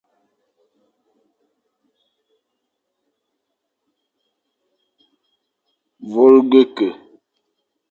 Vôlge ke, va vite.